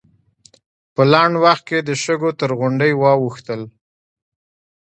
په لنډ وخت کې د شګو تر غونډۍ واوښتل.